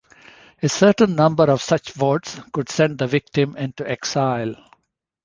A certain number of such votes could send the victim into exile.